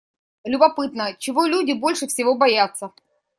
Любопытно, чего люди больше всего боятся?